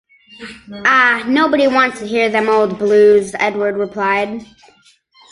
"Ah, nobody wants to hear them old blues," Edward replied.